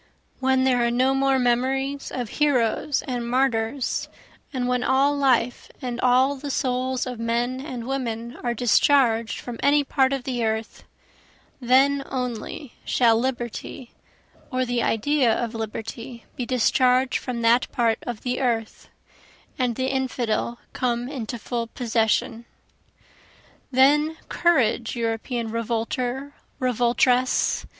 When there are no more memories of heroes and martyrs, And when all life and all the souls of men and women are discharged from any part of the earth, Then only shall liberty or the idea of liberty be discharged from that part of the earth, And the infidel come into full possession. Then courage European revolter, revoltress!